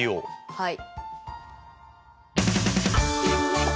はい。